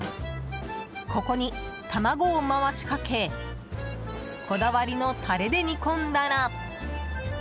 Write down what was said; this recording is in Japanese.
ここに、卵を回しかけこだわりのタレで煮込んだら。